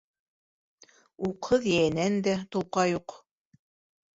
Уҡһыҙ йәйәнән дә толҡа юҡ.